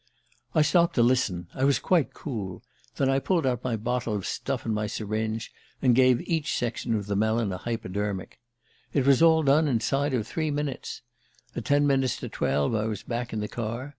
"I stopped to listen I was quite cool. Then I pulled out my bottle of stuff and my syringe, and gave each section of the melon a hypodermic. It was all done inside of three minutes at ten minutes to twelve I was back in the car.